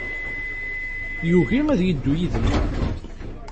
Yugi ad yeddu yid-neɣ